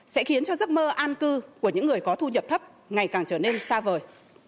sẽ khiến cho giấc mơ an cư của những người có thu nhập thấp ngày càng trở nên xa vời